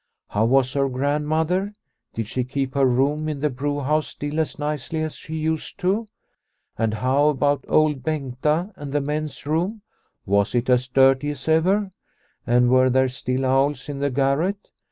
How was her grandmother ? Did she keep her room in the brewhouse still as nicely as she used to ? And how about Old Bengta and the men's room ? Was it as dirty as ever ? And were there still owls in the garret